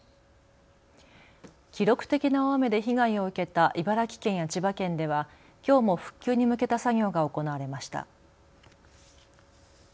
記録的な大雨で被害を受けた茨城県や千葉県ではきょうも復旧に向けた作業が行われました。